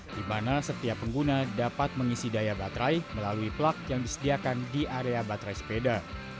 di mana setiap pengguna dapat mengisi daya baterai melalui plug yang disediakan di area baterai sepeda